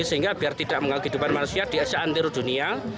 sehingga biar tidak mengalami kehidupan manusia di asal antara dunia